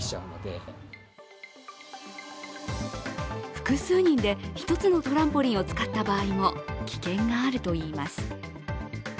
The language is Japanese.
複数人で一つのトランポリンを使った場合も危険があるといいます。